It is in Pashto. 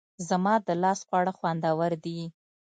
زما د لاس خواړه خوندور دي